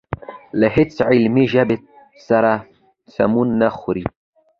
له هېڅ علمي ژبې سره سمون نه خوري.